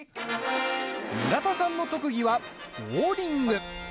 村田さんの特技は、ボウリング。